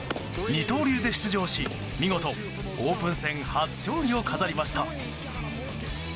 二刀流で出場し見事、オープン戦初勝利を飾りました。